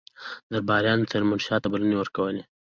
درباریانو تیمورشاه ته بلنې ورکولې.